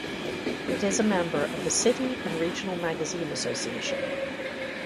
It is a member of the City and Regional Magazine Association.